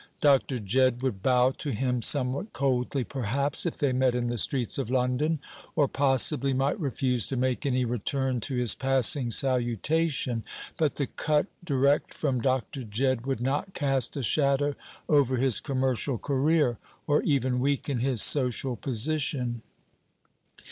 Dr. Jedd would bow to him somewhat coldly, perhaps, if they met in the streets of London, or possibly might refuse to make any return to his passing salutation; but the cut direct from Dr. Jedd would not cast a shadow over his commercial career, or even weaken his social position.